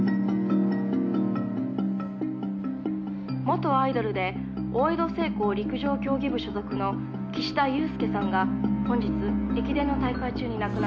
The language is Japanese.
「元アイドルで大江戸製鋼陸上競技部所属の岸田祐介さんが本日駅伝の大会中に亡くなり」